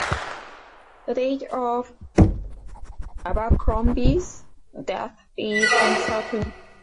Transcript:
The date of Abercromby's death is uncertain.